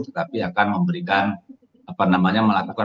tetapi akan memberikan apa namanya melakukan